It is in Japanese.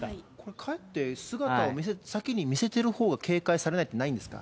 かえって、姿を見せて、先に見せたほうが、警戒されるとかないんですか？